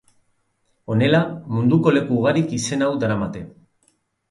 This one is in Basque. Honela, munduko leku ugarik izen hau daramate.